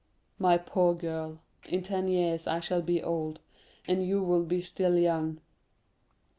"My poor girl, in ten years I shall be old, and you will be still young."